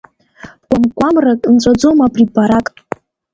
Бгәам-гәамрак нҵәаӡом абри барак!